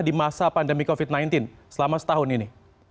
di masa pandemi covid sembilan belas selama setahun ini